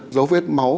dấu vết máu